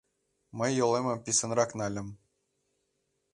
Мый йолемым писынрак нальым.